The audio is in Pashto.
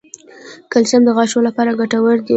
کلسیم د غاښونو لپاره ګټور دی